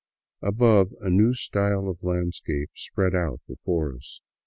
Above, a new style of landscape spread out before us.